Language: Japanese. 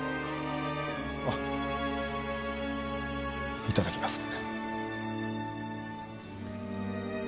あいただきます。